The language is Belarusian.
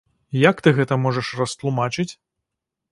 Як ты гэта можаш растлумачыць?